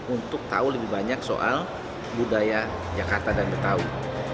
untuk tahu lebih banyak soal budaya jakarta dan betawi